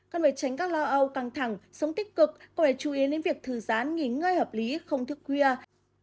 cân phải tránh các lo âu căng thẳng sống tích cực còn phải chú ý đến việc thử gián nghỉ ngơi hợp lý không thức khuya